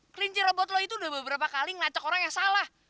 kelinci robot lo itu udah beberapa kali ngajak orang yang salah